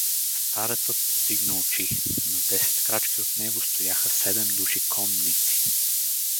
Старецът подигна очи: на десет крачки от него стояха седем души конници.